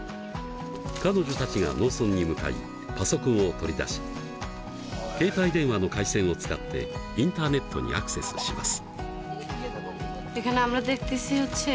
彼女たちが農村に向かいパソコンを取り出し携帯電話の回線を使ってインターネットにアクセスします。